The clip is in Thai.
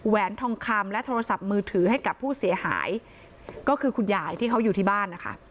แหนทองคำและโทรศัพท์มือถือให้กับผู้เสียหายก็คือคุณยายที่เขาอยู่ที่บ้านนะคะ